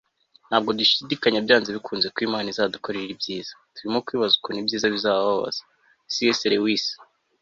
ntabwo dushidikanya byanze bikunze ko imana izadukorera ibyiza; turimo kwibaza ukuntu ibyiza bizababaza - c s lewis